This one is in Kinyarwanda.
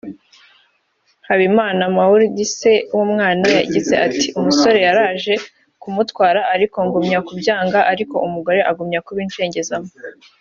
Habimana Mawuridi se w’umwana yagize ati “ umusore yaraje kumutwara ariko ngumya kubyanga ariko umugore agumya abincengezamo